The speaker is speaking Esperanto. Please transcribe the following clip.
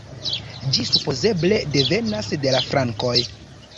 Ĝi supozeble devenas de la frankoj.